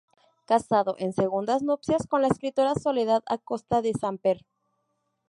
Casado en segundas nupcias con la escritora Soledad Acosta de Samper.